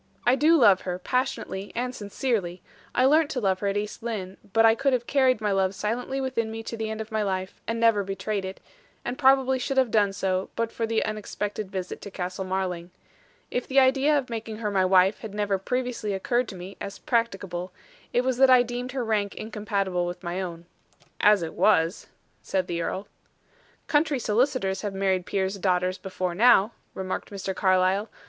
I do love her, passionately and sincerely; I learnt to love her at East Lynne; but I could have carried my love silently within me to the end of my life and never betrayed it; and probably should have done so, but for the unexpected visit to Castle Marling. If the idea of making her my wife had never previously occurred to me as practicable, it was that I deemed her rank incompatible with my own." "As it was," said the earl. "Country solicitors have married peers' daughters before now," remarked Mr. Carlyle.